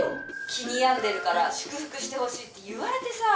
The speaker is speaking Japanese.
気に病んでるから祝福してほしいって言われてさ。